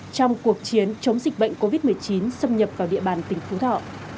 trong cuộc chiến chống dịch bệnh covid một mươi chín xâm nhập vào địa bàn tỉnh phú thọ